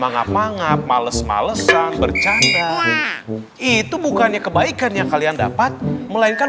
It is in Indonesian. manggap manggap males malesan bercanda itu bukannya kebaikan yang kalian dapat melainkan